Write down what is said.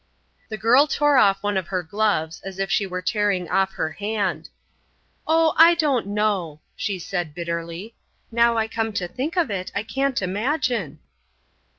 The girl tore off one of her gloves, as if she were tearing off her hand. "Oh, I don't know," she said, bitterly. "Now I come to think of it, I can't imagine."